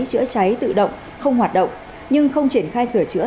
chữa cháy tự động không hoạt động nhưng không triển khai sửa chữa